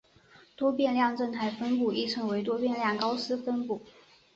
多变量正态分布亦称为多变量高斯分布。